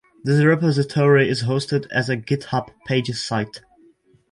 This repository is hosted as a GitHub pages site